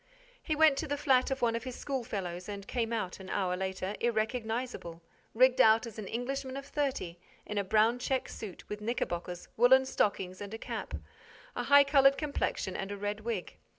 He went to the flat of one of his schoolfellows and came out, an hour later, irrecognizable, rigged out as an Englishman of thirty, in a brown check suit, with knickerbockers, woolen stockings and a cap, a high colored complexion and a red wig.